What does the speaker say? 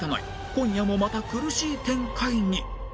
今夜もまた苦しい展開に！